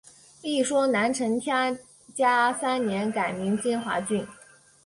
一说南陈天嘉三年改名金华郡。